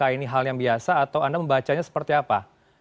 ini hal yang biasa atau anda membacanya seperti apa